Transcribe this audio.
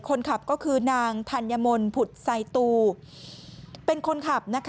คนขับก็คือนางธัญมนต์ผุดไซตูเป็นคนขับ